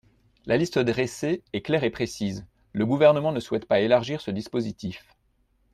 La liste dressée est claire et précise ; le Gouvernement ne souhaite pas élargir ce dispositif.